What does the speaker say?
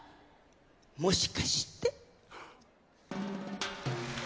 もしかして。